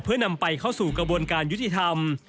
เพื่อนำไปเข้าสู่กระบวนการยุติธรรม